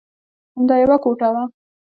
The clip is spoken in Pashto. همدا یوه کوټه وه.